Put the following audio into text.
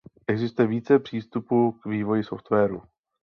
Existuje více přístupů k vývoji softwaru.